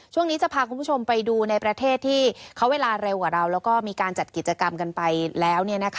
ช่วงนี้จะพาคุณผู้ชมไปดูในประเทศที่เขาเวลาเร็วกว่าเราแล้วก็มีการจัดกิจกรรมกันไปแล้ว